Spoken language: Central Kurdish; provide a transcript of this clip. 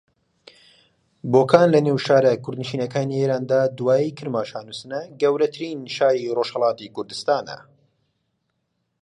بۆکان لە نێو شارە کوردنشینەکانی ئێراندا دوای کرماشان و سنە گەورەترین شاری ڕۆژھەڵاتی کوردستانە